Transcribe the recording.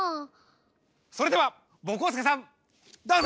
それではぼこすけさんどうぞ！